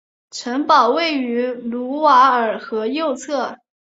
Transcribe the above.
城堡位于卢瓦尔河右岸。